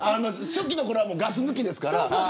初期のころはガス抜きですから。